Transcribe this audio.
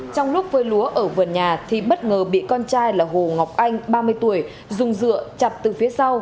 trong lúc vơi lúa ở vườn nhà thì bất ngờ bị con trai là hồ ngọc anh ba mươi tuổi dùng dựa chặt từ phía sau